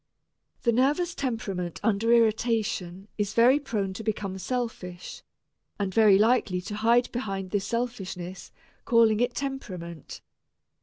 The nervous temperament under irritation is very prone to become selfish and very likely to hide behind this selfishness, calling it temperament.